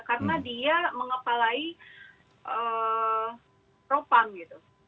karena dia mengepalai propam gitu